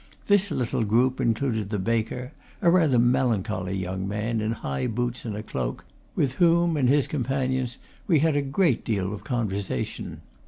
This little group included the baker, a rather melancholy young man, in high boots and a cloak, with whom and his companions we had a good deal of conversation.